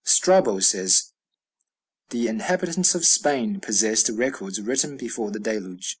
Strabo says, "The inhabitants of Spain possessed records written before the Deluge."